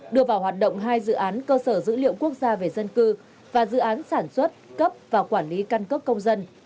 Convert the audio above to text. đưa vào hoạt động hai dự án cơ sở dữ liệu quốc gia về dân cư và dự án sản xuất cấp và quản lý căn cước công dân